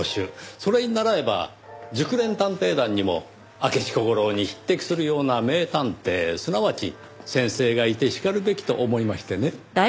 それに倣えば熟年探偵団にも明智小五郎に匹敵するような名探偵すなわち先生がいてしかるべきと思いましてね。